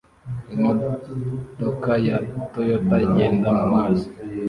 Imodoka ya Toyota igenda mumazi